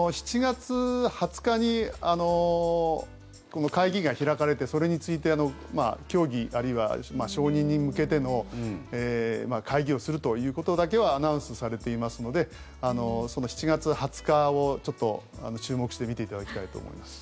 ７月２０日に会議が開かれてそれについて協議あるいは承認に向けての会議をするということだけはアナウンスされていますのでその７月２０日をちょっと注目して見ていただきたいと思います。